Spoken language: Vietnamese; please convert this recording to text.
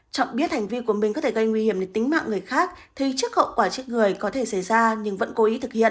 trọng biết hành vi của mình có thể gây nguy hiểm đến tính mạng người khác thì trước hậu quả chết người có thể xảy ra nhưng vẫn cố ý thực hiện